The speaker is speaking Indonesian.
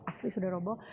asli sudah roboh